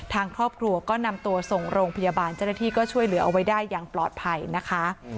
ทางครอบครัวก็นำตัวส่งโรงพยาบาลเจ้าหน้าที่ก็ช่วยเหลือเอาไว้ได้อย่างปลอดภัยนะคะ